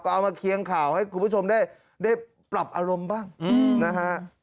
เอามาเคียงข่าวให้คุณผู้ชมได้ปรับอารมณ์บ้างนะฮะ